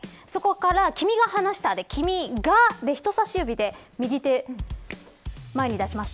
そこから、君が話したで君が、で人さし指で右手を前に出します。